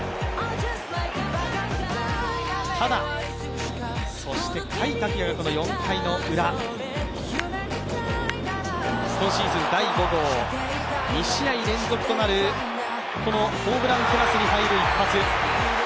ただ、そして甲斐拓也が４回のウラ、今シーズン第５号２試合連続となる、このホームランテラスに入る一発。